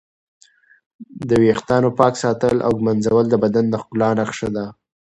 د ویښتانو پاک ساتل او ږمنځول د بدن د ښکلا نښه ده.